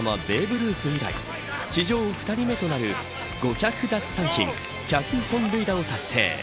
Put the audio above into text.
ルース以来史上２人目となる５００奪三振１００本塁打を達成。